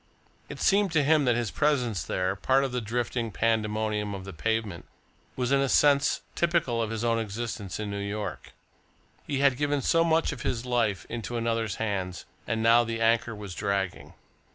It seemed to him that his presence there, part of the drifting pandemonium of the pavement, was in a sense typical of his own existence in New York. He had given so much of his life into another's hands and now the anchor was dragging.